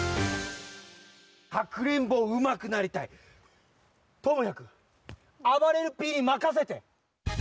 かくれんぼうまくなりたい？ともやくんあばれるＰにまかせて！